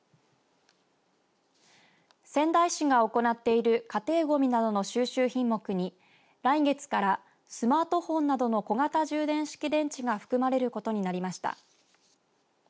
仙台市が行っている家庭ごみなどの収集品目に来月からスマートフォンなどの小型充電式電池が含まれることになりました。